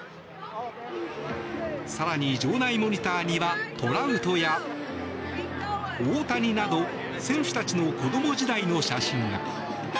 更に、場内モニターにはトラウトや大谷など選手たちの子ども時代の写真が。